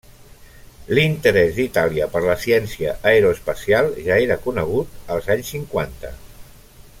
L'interès d'Itàlia per la ciència aeroespacial ja era conegut als anys cinquanta.